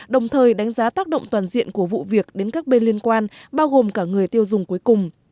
đồng thời đánh giá tác động toàn diện của vụ việc đến các bên liên quan bao gồm cả người tiêu dùng cuối cùng